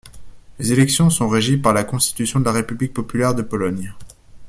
Les élections sont régies par la Constitution de la République populaire de Pologne.